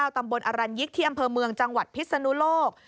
ตำบลอรัญยิกที่อำเภอเมืองจังหวัดพิศนุโลก